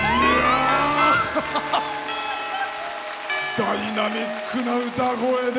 ダイナミックな歌声で。